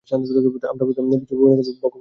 আমরা বিশ্বপিতা ভগবানকে বিশ্বাস করি।